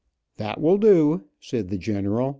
"That will do," said the general.